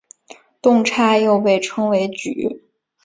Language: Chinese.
动差又被称为矩。